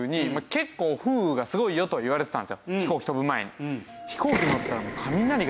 飛行機飛ぶ前に。